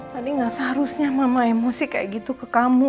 tadi gak seharusnya mama emosi kayak gitu ke kamu